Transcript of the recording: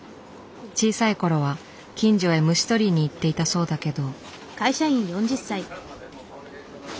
小さいころは近所へ虫取りに行っていたそうだけど。